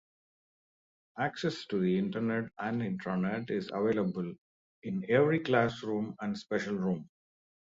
Access to the Internet and Intranet is available in every classroom and special room.